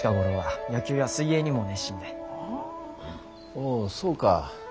おぉそうか。